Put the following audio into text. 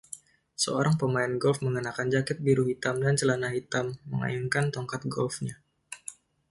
Seorang pemain golf mengenakan jaket biru hitam dan celana hitam mengayunkan tongkat golfnya.